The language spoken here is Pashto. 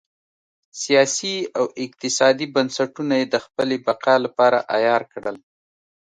سیاسي او اقتصادي بنسټونه یې د خپلې بقا لپاره عیار کړل.